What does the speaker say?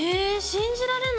信じられないね。